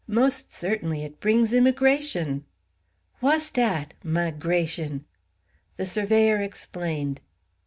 Most certainly. It brings immigration." "Whass dat 'migrash'n?" The surveyor explained.